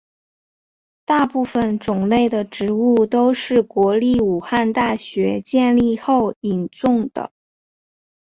大部分种类的植物都是国立武汉大学建立后引种的。